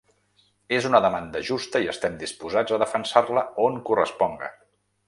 “És una demanda justa i estem disposats a defensar-la on corresponga”.